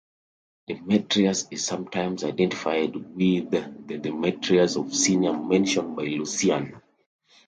Demetrius is sometimes identified with the Demetrius of Sunium mentioned by Lucian.